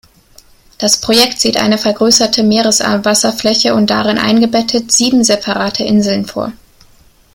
Das Projekt sieht eine vergrößerte Meeresarm-Wasserfläche und darin eingebettet sieben separate Inseln vor.